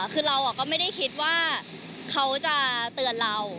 คือเราก็ไม่ได้คิดว่าเขาจะเตือนเรา